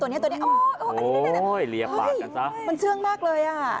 ตัวเนี้ยตัวนี้เรียกปากกันซะมันเชื่องมากเลยอ่ะ